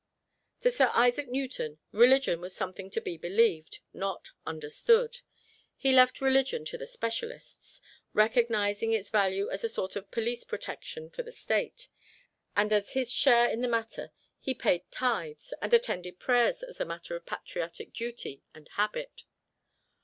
To Sir Isaac Newton, religion was something to be believed, not understood. He left religion to the specialists, recognizing its value as a sort of police protection for the State, and as his share in the matter he paid tithes, and attended prayers as a matter of patriotic duty and habit.